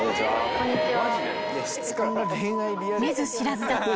こんにちは。